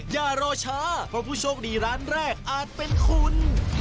อย่ารอช้าเพราะผู้โชคดีร้านแรกอาจเป็นคุณ